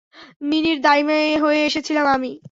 মিনির দাইমা হয়ে এসেছিলাম আমি।